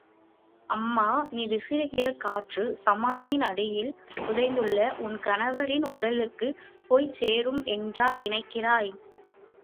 அம்மா, நீ விசிறுகிற காற்று சமாதியின் அடியில் புதைந்துள்ள உன் கணவரின் உடலுக்குப் போய்ச் சேரும் என்றா நினைக்கிறாய்?